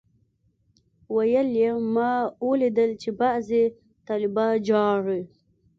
ويل يې ما اوليدل چې بعضي طلبا جاړي.